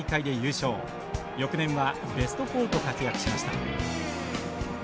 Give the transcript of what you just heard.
翌年はベスト４と活躍しました。